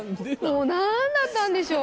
もう何だったんでしょう。